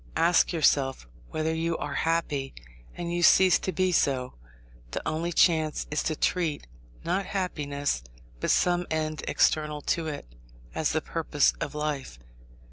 Ask yourself whether you are happy, and you cease to be so. The only chance is to treat, not happiness, but some end external to it, as the purpose of life.